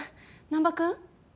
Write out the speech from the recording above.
難破君？